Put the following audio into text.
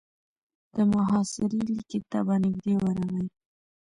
د محاصرې ليکې ته به نږدې ورغی.